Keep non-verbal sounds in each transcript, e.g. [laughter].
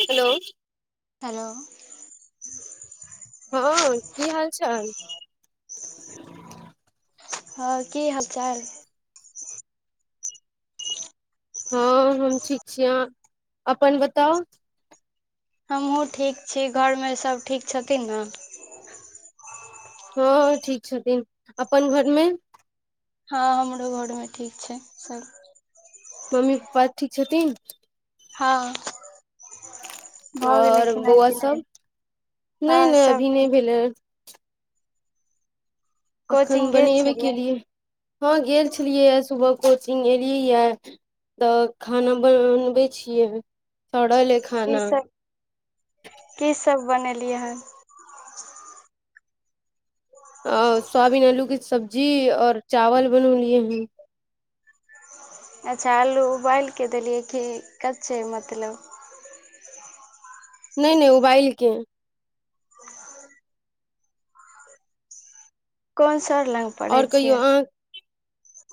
hello hello हँ की हाल चाल हँ की हाल चाल हँ हम ठीक छियै यहाँ अपन बताउ हमहूँ ठीक छी घरमे सभ ठीक छथिन ने हँ ठीक छथिन अपन घरमे हँ हमरो घर मे ठीक छै सब मम्मी पपा ठीक छथिन हँ भऽ गेलै आओर खेनाइ बौआ पिलनाइ सब हँ नहि नहि सब [inaudible] एखन कोचिंग गेल बनेबै छलियै केलियै हँ गेल छलियैए सुबह कोचिंग एयलियैए तऽ खाना बनबै छियै सड़ल ये की खाना सब की सब बनेलियै हन अ सोयाबीन आलू के सब्जी और चावल बनौलिये है अच्छा आलू उबाल कऽ देलियै कि कच्चे मतलब नहि नहि उबाइलके कोन सा [unintelligible] ल अओर कहियौ अहाँ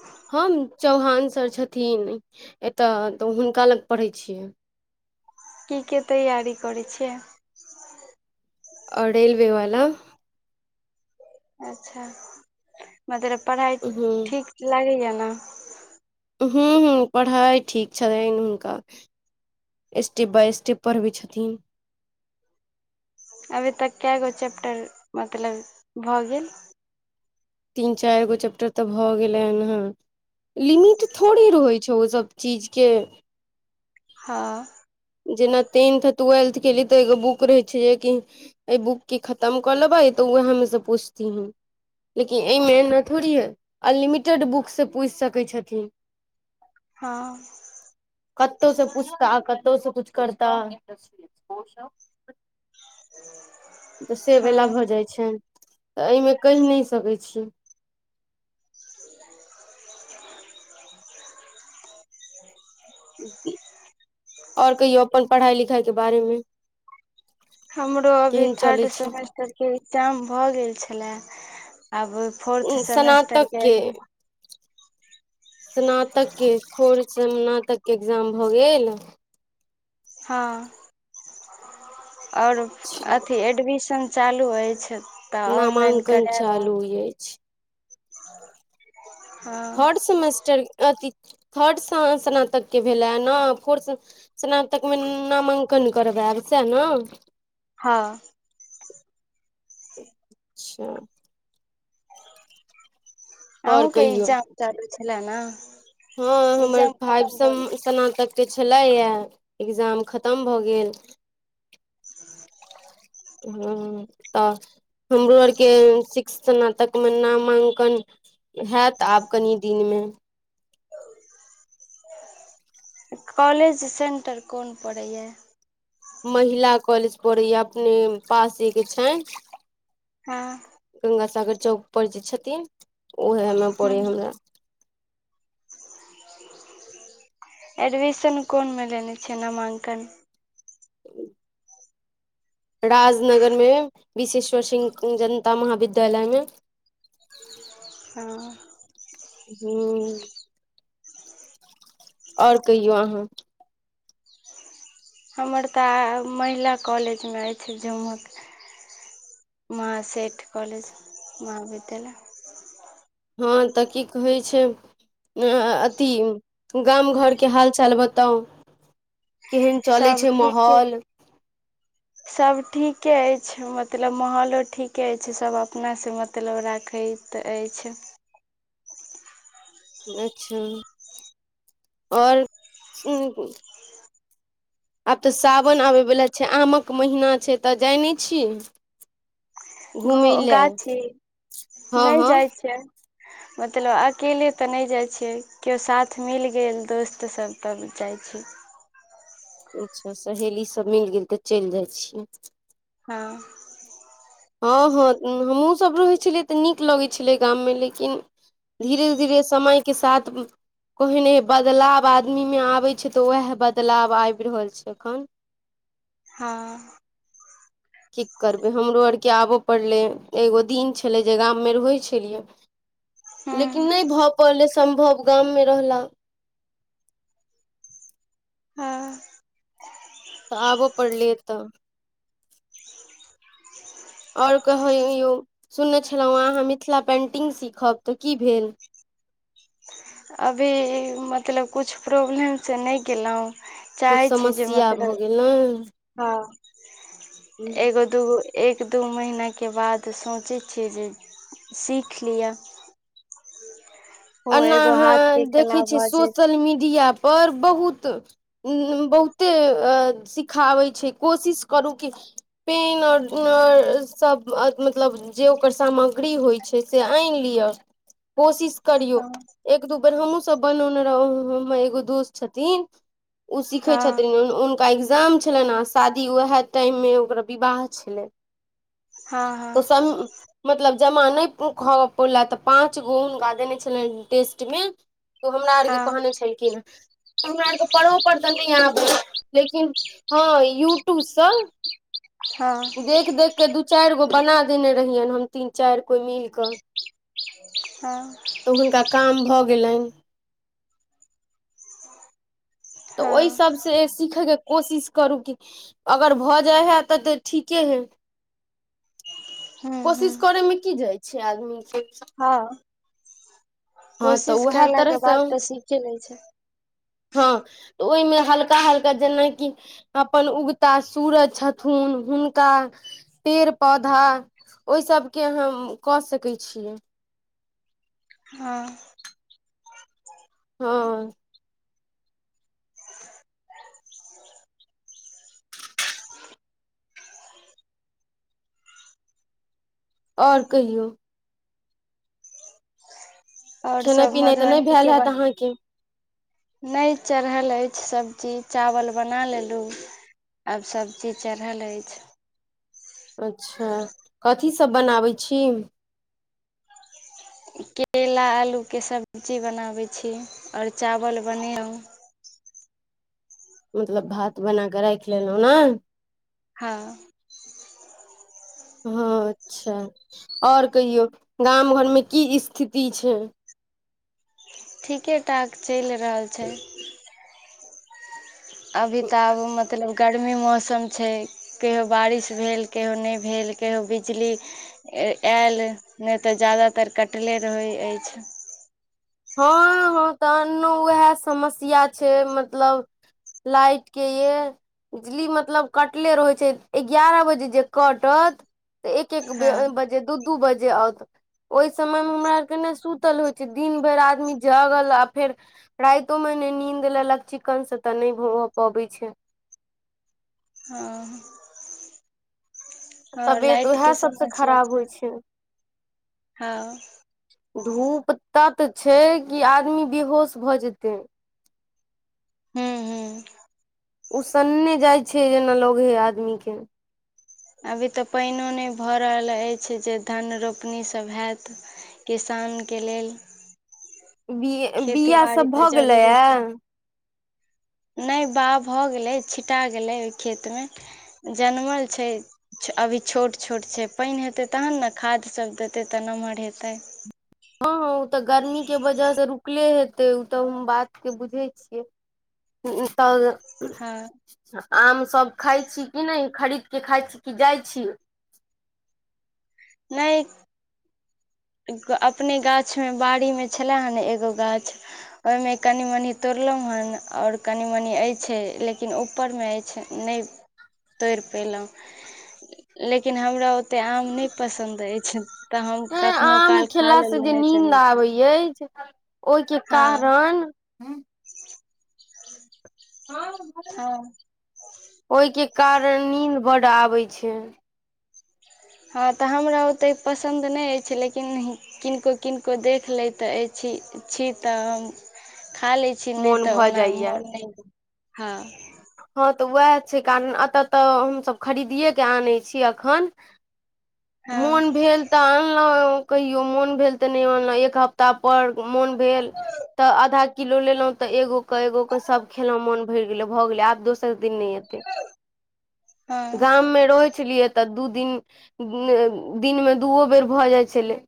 ह हम चौहान सर छथिन एतऽ तऽ हुनका लग पढ़ै छि की के तैयारी करै छियै रेलवे वला अच्छा मतलब पढ़ाइ हूँ ठीक लागैया ने हू हू पढ़ाइ ठीक छलनि हुनका स्टेप बाय स्टेप पढ़बै छथिन अभी तक कए गो चैप्टर मतलब भऽ गेल तीन चार गो चैप्टर तऽ भऽ गेलै हन हँ लिमिट थोड़े रहै छै ओ सब चीजके हँ जेना टेंथ टूवेल्थ क ली तऽ एगो बुक रहे छै जेकि ए बुक की खतम कऽ लेबै तऽ उएह हमे से पूछती हं लेकिन एमे ए ने थोड़ी ह अनलिमिटेड बुक से पूछि सकैत छथिन हँ कते से पूछता कते से कुछ करता तऽ सेब वला हँ भऽ जाइत छनि तऽ एहिमे कहि नहि सकैत छी अओर कहियौ अपन पढ़ाई लिखाई के बारे मे हमरो अभी केहन चलै थर्ड छै सेमेस्टर के एग्जाम भऽ गेल छलए आब फोर्थ सेमेस्टर के हेत स्नातक के खोर स्नातक के एग्जाम भऽ गेल हँ अओर अथी एडमिशन चालू अछि तऽ ऑनलाइन कराय लियो बु अछि [unintelligible] आ [inaudible] थर्ड सेमेस्टर अथी थर्ड स्नातकके भेलै ने फोर्थ स्नातकमे नामाङ्कन करबै आब स ने हँ अच्छा आहूं आओर के कहियौ एग्जाम चालू छलै न हँ हमर भाइ सम सनातक जे छलेया एग्जाम खतम भऽ गेल [inaudible] हँ तऽ हमरो आरके शिक स्नातकमे नामांकन हैत आब कनि दिनमे कॉलेज सेन्टर कौन पड़ैए महिला कॉलेज पड़य ये अपने पासे के छै हँ गंगा सागर चौक पर जे छथिन उहेमे पड़े हूँ हमरा एडमिशन कोन मे लेने छै नामांकन राजनगर मे विशेश्वर सिंह जनता महाविद्यालय मे हँ हूं ओर कहियौ अहाँ हमर तऽ महिला कॉलेजमे अछि जमक महासेठ कोलेज महाविद्यालय हँ तऽ की कहैय छै अ अथी गाम घरके हाल चाल बताउ केहन चलै सब छै ठीके माहौल सब ठीके अछि मतलब माहौलो ठीके अछि सभ अपनासँ मतलब राखैत तऽ अछि अच्छा आओर [inaudible] आब तऽ सावन आबयवला छै आमक महीना छै तऽ जाई नहि छीये घ गाछी हँ नहि हँ जाइ छै मतलब अकेले तऽ नहि जाइत छै क्यो साथ मिल गेल दोस्त सभ तब जाइत छी अच्छा सहेली सब मिल गेल तऽ चलि जाइ छियै हँ हँ हँ हमहूँसभ रहै छलियै तऽ नीक लगै छलै गाममे लेकिन धीरे धीरे समय के साथ ओहने बदलाव आदमी मे आबै छै तऽ उएह बदलाव आबि रहल छै एखन हँ की करबै हमरो आरके आबय पड़लै एगो दिन छलै जे गाममे रहय छलियै लेकिन हूँ नहि भऽ पलै सम्भव गाममे रहला हँ तऽ आबऽ पड़लियै एतय आओर कहयियो सुनने छलहुँँ अहाँ मिथिला पेन्टिंग सीखब तऽ की भेल अभी मतलब किछु प्रॉब्लमसँ नहि केलों कुछ चाहै छी जे समस्या मतब भऽ गेल ने हँ एगो क दू महिना के बाद सोचय छियै जे सीख लिए एना एगो हाथ अहाँ के कला देखै छियै भऽ जेत सोशल मीडिया पर बहुत उ बहुते अ सिखाबै छै कोशिश करू की [unintelligible] जे ओकर सामग्री होइत छै से आइन लिअऽ कोशिश करियौ हँ एक दू बेर हमहहुँ सब बनौने रहौ हमर एगो दोस्त छथिन उ सीखै हँ छथिन एग्जाम छलैन आ शादी वएह टाइममे ओककर विवाह छलै हँ [inaudible] हँ सम मतलब जमा नहि खऽ प पैला तऽ पाँच हुनका देने छलेन टेस्ट मे तऽ हमरा आर केँ हँ कहने छलखिन हमरा आरके [unintelligible] ऽ नहि आना लेकिन हँ यूट्यूबसँ [unintelligible] देख देख केँ दू चार गो बना देने रहियनि हम तीन चार कोई मिल कऽ [unintelligible] तऽ हुनका काम भऽ गेलैन तऽ ओहि हँ सब से सिखय केँ कोशिश करू की अगर भऽ जाय है तऽ तऽ ठी केँ है [unintelligible] कोशिश हूँ करयमे की जाइ छै आदमीे हँ [inaudible] हँ तऽ कोशिश उएह करलाक केँ तरहसँ बाद तऽ सीखे ले छै हँ तऽ ओहिमे हल्का हल्का जेनाकि अपन उगता सूरज छथुन हुनका पेड़ पौधा ओ सभ केँ हम कऽ सकैत छियै हँ [unintelligible] और कहियौ और खेनाइ सब पिनाइ तऽ नहि मधुबनी भेल केँ हैत [inaudible] अहाँके नहि चढ़ल ऐछ सब्जी चावल बना लेलु आब सब चीज चढ़ल ऐछ अच्छ कथीसभ बनाबै छी केला आलू केँ सब्जी बनाबैत छी और चावल बनै लौ मतलब भात बना केँ राइख लेलै नै हँ हँ अच्छ ओर कहियौ गाम घर मे की स्थिति छै ठीकेँ ठाक चैल रहल छै अभी तऽ आब मत मतलब गरमी मौसम छै कहियओ बारिश भेल कहियओ नहि भेल कहियओ बिजली ऐल नहि तऽ ज्यदातर कटले रहैत ऐछ हँ हँ तऽन्नो उएह समस्या छै मतलब लाइट केँ ये बिजली मतलब कटले रहै छै एगारह बजे जे कटत एक एक हँ बजे दु दु औत [inaudible] ओए समय में हमर यर कऽ नै सुतल हो छै दिन भेर आदमी जगल आ फेर राइतो मे नै नींद लेलक चिकन से तऽ नहि भ पबैत छै हँ [inaudible] हँ तबियत लाइट उएह कऽ सबसँ समस्या खराब होइ छै हँ धूप तत छै कि आदमी बेहोश भऽ जेतै हू हू ओसन्ने जाइ छै जेना लग हे आदमी के अभी तऽ पानिओ नहि भऽ रहल अछि जे धन रोपनीसभ हयत किसान कऽ लेल बि खेती बिआ बाड़ी सब तऽ भऽ जरूरी गेलैए छै नहि बउ भऽ गेलै छिटा गेलै ओहि खेतमे जनमल छै अभी छोट छोट छै पानि हेतै तहन नऽ खादसभ देतै तऽ नमहर हेतय हँ हँ ओ तऽ गर्मी के वजह से रुकले हेतै ओ तऽ हम बात के बुझै छियै [unintelligible] हँ आम सभ खाइ छी कि नहि खरीद के खाइ छी कि जाइ छी नहि अपने गाछ मऽ बाड़ी मऽ छलेय हन एगो गाछ ओहिमे कनि मनि तोड़लहुँ हेँ आओर कनि मनी अछि लेकिन ऊपरमऽ अछि नहि तोड़ि पयलहुँ लेकिन हमरा ओत ओते आम नहि पसन्द अछि तऽ हम हे कखनो आम काल खा खेला से लेलुँ जे नहि तऽ नींद नहि खेलू आबै अछि ओहिके कारण हँ ओहिके कारण नीद बड आबे छै हँ तऽ हमरा ओतेक पसन्द नहि अछि लेकिन किनको किनको देख लैतैत अछि छी तऽ हम खा लैतऽ छी नहि मोन तऽ भऽ ओना जाइया मोन नहि होय हँ हँ तऽ उएह छै कारण एतऽ तऽ हमसभ खरीदिए क आनै छी एखन मोन हँ भेल तऽ अनलहु कहियो मोन भेल तऽ नहि अनलहु एक हफ्ता पर मोन भेल तऽ आधा किलो लेलहुं तऽ एगो कऽ एगो के सब खेलों मोन भरि गेले भऽ गेले आब दोस दिन नहि ऐतय हँ गाम मे रहै छलियै तऽ दू दिन दिन मे दूओ बेर भऽ जाइ छलैय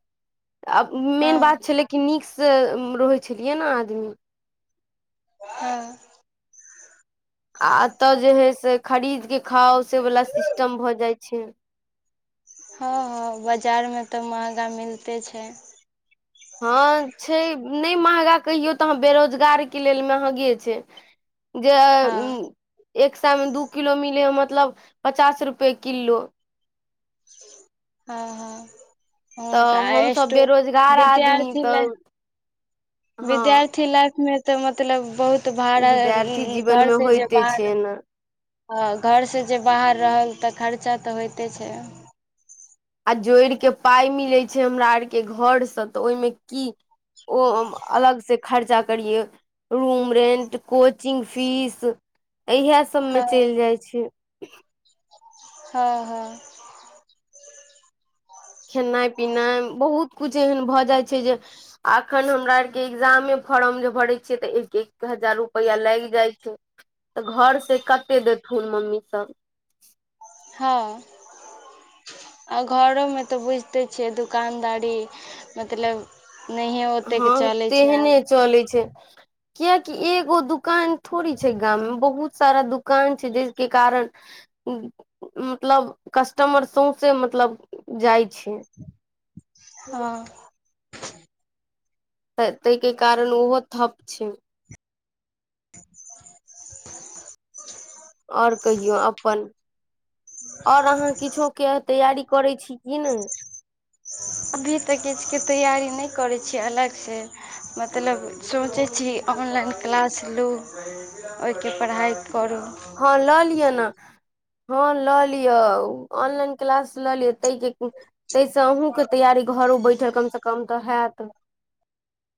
आ मेन हँ बात छलै कि नीकसँ रहै छलियै नऽ आदमी हँ आ एतऽ जे हय से खरीद कऽ खाउ से वला सिस्टम भऽ जाइ छै हँ हँ बाजार मऽ तऽ महगा मिलते छै हँ छै नहि महगा कहियौ तऽ बेरोजगारक लेल महगे छै जे हँ एक सएमे दू किलो मिलै हइ मतलब पचास रुपैए किलो हँ हँ हुनका तऽ हमसभ [unintelligible] बेरोजगार आदमी विद्यार्थी ल तऽ हँ विद्यार्थी लाइफ मऽ तऽ मतलब बहुत त भड़ा विद्यार्थी जीवन घर मे से जे होइते छै बाहर ने ह घर से जे बाहर रहल तऽ खर्चा तऽ होइते छै आ जोड़ि कऽ पाइ मिलैत छै हमरा आरके घरसँ तऽ ओहिमे की ओ अलग से खर्चा करियै रूम रेंट कोचिंग फीस इहा सभमे हँ चलि जाइ छै हँ हँ खेनाइ पिनाइ बहुत कुछ एहन भऽ जाइ छै जे अखन हमरा आर के एग्जामे फॉर्म जे भरे छियै तऽ एक एक हजार रुपआ लागि जाइ छै तऽ घर से कते देथुन मम्मी सब हँ आ घरोमे तऽ बुझिते छियै दोकानदारी मतलब नहिेए ओतेक के हँ चलैत छै आब चलै छै कियकि एगो दुकान थोड़ी छै गाम मे बहुत सारा दुकान छै जैके कारण मतलब कस्टमर सौंसे मतलब जाइ छै हँ तऽ तै के कारण ओहो ठप छै [unintelligible] ओर कहियो अपन आऔर अहाँ किछो के तैयारी करै छी ईन [unintelligible] अभी तऽ किछुके तैयारी नहि करैत छीयै अलगसँ मतलब सोचै छी छी ऑनलाइन क्लास लू ओहिके पढ़ाइ करू हँ लऽ लिअ ने हँ लऽ लिअ ऑनलाइन क्लास लऽ लिअ ताहिके ताहि से अहूँके तैयारी घरो बैठल कम से कम तऽ होयत